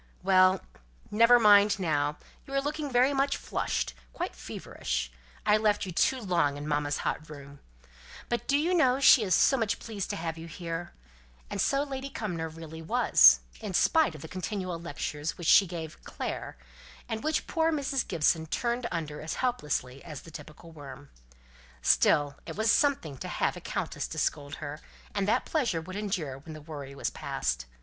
"Well, never mind now. You are looking very much flushed; quite feverish! I left you too long in mamma's hot room. But do you know she is so much pleased to have you here?" And so Lady Cumnor really was, in spite of the continual lectures which she gave "Clare," and which poor Mrs. Gibson turned under as helplessly as the typical worm. Still it was something to have a countess to scold her; and that pleasure would endure when the worry was past.